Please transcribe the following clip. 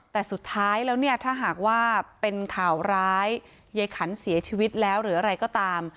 แต่สุดท้ายแล้วเนี่ยถ้าหากว่าเป็นข่าวร้ายยายขันเสียชีวิตแล้วหรืออะไรก็ตาม